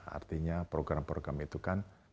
artinya program program itu kan